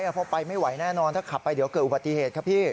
เพราะไปไม่ไหวแน่นอนถ้าขับไปเดี๋ยวเกิดอุบัติเหตุครับพี่